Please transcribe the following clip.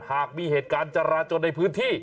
หากมีเหตุการณ์จราจนในพื้นที่